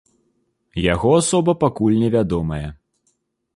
Яго асоба пакуль не вядомая.